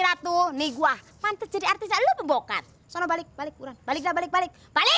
ratu nih gua pantas jadi artis alu pembokat sono balik balik balik balik balik balik balik